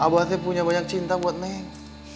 abah sih punya banyak cinta buat neng